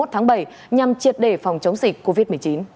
ba mươi một tháng bảy nhằm triệt đề phòng chống dịch covid một mươi chín